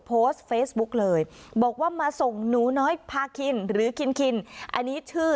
โพสต์เฟซบุ๊กเลยบอกว่ามาส่งหนูน้อยพาขิ้นหรือขิ้นขิ้น